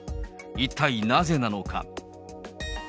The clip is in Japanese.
一体なぜなのか。